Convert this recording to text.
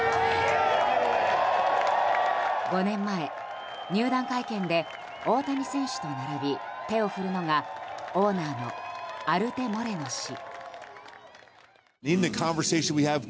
５年前、入団会見で大谷選手と並び、手を振るのがオーナーのアルテ・モレノ氏。